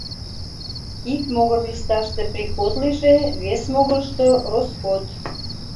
Ик могыр листаште приход лийже, вес могырышто — роскот.